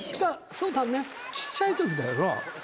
そうだね、ちっちゃいときだよね。